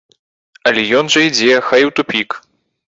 Але ён жа ідзе, хай і ў тупік!